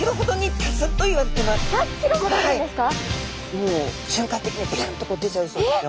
もう瞬間的にビュンとこう出ちゃうそうですよ。